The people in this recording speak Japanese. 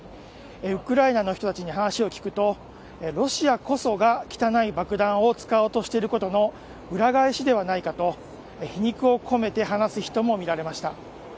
ウクライナの人たちに話を聞くとロシアこそが汚い爆弾を使おうとしていることの裏返しではないかと皮肉を込めて話す人も見られました。